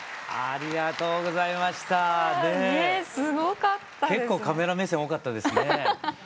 ありがとうございます。